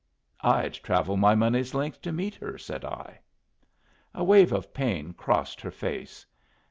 "I'd travel my money's length to meet her!" said I. A wave of pain crossed her face.